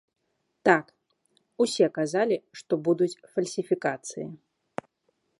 Так, усе казалі, што будуць фальсіфікацыі.